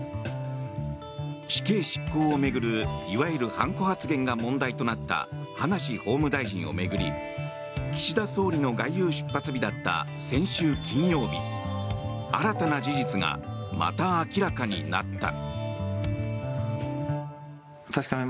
死刑執行を巡るいわゆる判子発言が問題となった葉梨法務大臣を巡り岸田総理の外遊出発日だった先週金曜日新たな事実がまた明らかになった。